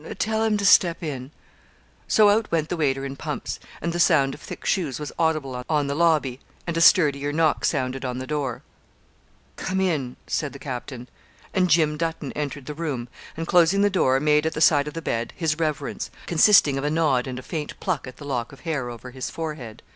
'Tell him to step in.' So out went the waiter in pumps, and the sound of thick shoes was audible on the lobby, and a sturdier knock sounded on the door. 'Come in,' said the captain. And Jim Dutton entered the room, and, closing the door, made, at the side of the bed, his reverence, consisting of a nod and a faint pluck at the lock of hair over his forehead.